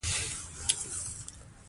خو د لور او خور په اړه مو ذهنیت همغه دی.